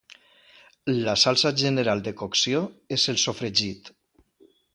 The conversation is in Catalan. La salsa general de cocció és el sofregit